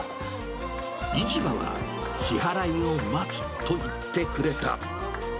市場は支払いを待つと言ってくれた。